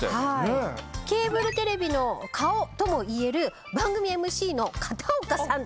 ケーブルテレビの顔ともいえる番組ＭＣの片岡さんという方が。